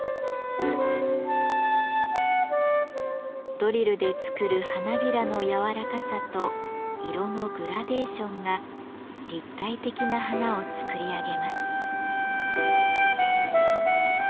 ドリルで作る花びらの柔らかさと色のグラデーションが立体的な花を作り上げます。